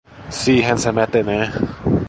Siihen se mätänee.